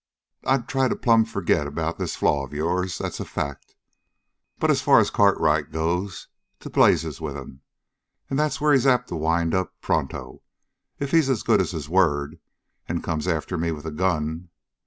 "I'd try to plumb forget about this flaw of yours: That's a fact. But as far as Cartwright goes, to blazes with him! And that's where he's apt to wind up pronto if he's as good as his word and comes after me with a gun.